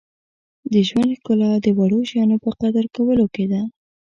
• د ژوند ښکلا د وړو شیانو په قدر کولو کې ده.